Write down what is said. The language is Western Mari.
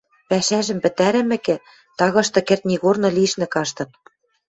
Пӓшӓжӹм пӹтӓрӹмӹкӹ, тагышты кӹртнигорны лишнӹ каштын.